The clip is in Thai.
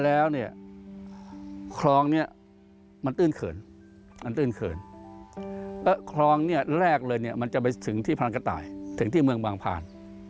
หลังจากนั้นแล้วคลองมันยืนเสมอของสักครั้งมันจะไปไปสู่การพลังกะตายคือเมืองบางพราน